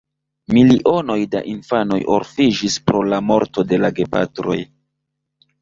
Milionoj da infanoj orfiĝis pro la morto de la gepatroj.